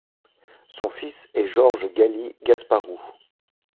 Son fils est Georges Galy-Gasparrou.